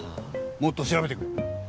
もっと調べてくれ。